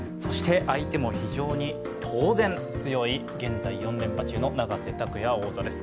相手も当然強い現在４連覇中の永瀬拓矢王座です。